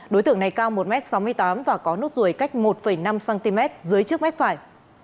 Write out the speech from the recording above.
đối tượng này cao một m sáu mươi tám và có nốt ruồi cách một năm cm dưới trước mép phải